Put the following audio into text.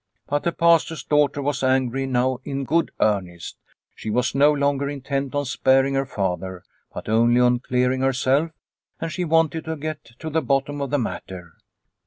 But the Pastor's daughter was angry now in good earnest. She was no longer intent on sparing her father, but only on clearing herself, and she wanted to get to the bottom of the matter.